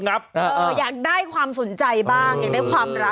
โอ้โฮ